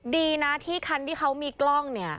ดีนะที่คันที่เขามีกล้อง